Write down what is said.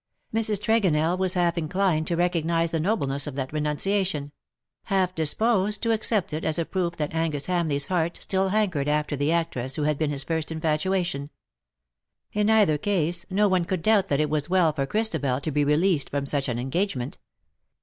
Mrs. Tregonell was half inclined to recognize the nobleness of that renunciation ; half disposed to accept it as a proof that Angus Ham leigVs heart still hankered after the actress who had been his first infatuation. In either case no one could doubt that it was well for Christabel to be released from such an engagement.